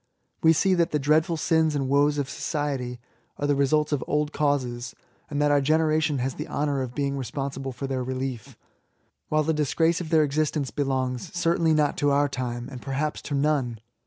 We see that the dreadful sins and woes of society are the results of old causes, and that our generation has the honour of being responsible for their relief, while the disgrace of their existence belongs, certainly not to our time^ and perhaps to none.